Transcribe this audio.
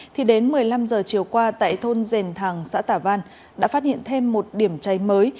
thì đến một mươi năm giờ chiều qua tại thôn dền thàng xã tả văn đã phát hiện thêm một điểm cháy mới